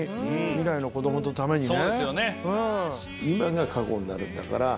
未来の子供のためにね。